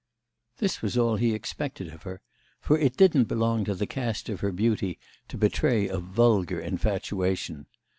This was all he expected of her, for it didn't belong to the cast of her beauty to betray a vulgar infatuation.